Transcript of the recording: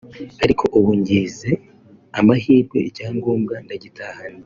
ariko ubu ngize amahirwe icyangombwa ndagitahanye